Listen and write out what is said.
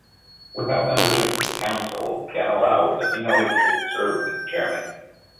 Without membership of the Council, Ganilau was ineligible to serve as its chairman.